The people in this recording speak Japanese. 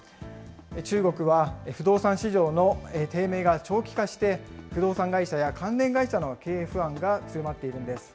中国は不動産市場の低迷が長期化して、不動産会社や関連会社の経営不安が強まっているんです。